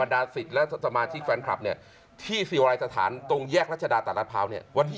และสมาชิกแฟนคลับที่ศิวาลัยสถานตรงแยกราชดาตรรัฐพราวน์วันที่๒๑